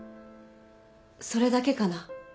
それだけかな？